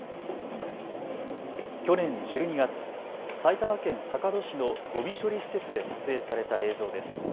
去年１２月、埼玉県坂戸市のごみ処理施設で撮影された映像です。